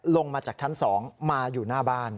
ลงมาจากชั้น๒มาอยู่หน้าบ้าน